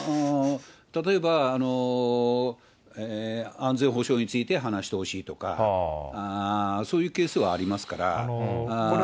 例えば安全保障について話してほしいとか、そういうケースはありますから。